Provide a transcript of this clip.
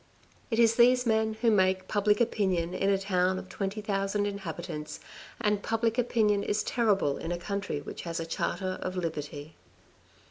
It is these men who make public opinion in a town of twenty thousand inhabitants, and public opinion is terrible in a country which has a charter of liberty.